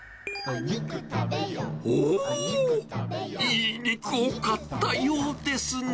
おー、いい肉を買ったようですね。